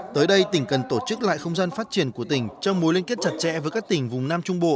tới đây tỉnh cần tổ chức lại không gian phát triển của tỉnh trong mối liên kết chặt chẽ với các tỉnh vùng nam trung bộ